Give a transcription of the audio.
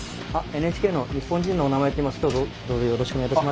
ＮＨＫの「日本人のおなまえ」といいます。